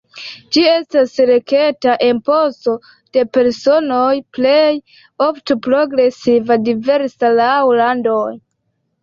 Ĝi estas rekta imposto de personoj, plej ofte progresiva, diversa laŭ landoj.